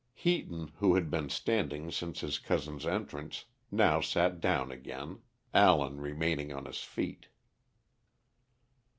Heaton, who had been standing since his cousin's entrance, now sat down again, Allen remaining on his feet.